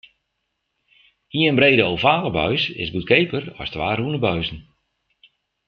Ien brede ovale buis is goedkeaper as twa rûne buizen.